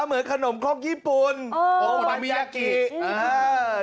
เหมือนขนมครกญี่ปุ่นโอ้ปัมมี่ยักษ์